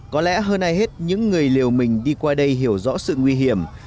có lẽ hơn ai hết những người liều mình đi qua đây hiểu rõ sự nguy hiểm